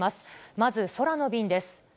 まず空の便です。